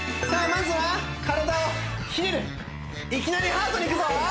まずは体をひねるいきなりハードにいくぞ！